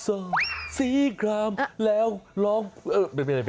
เอาให้ล้อมเพลง